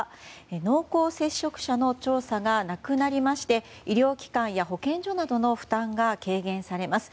濃厚接触者の調査がなくなりまして医療機関や保健所などの負担が軽減されます。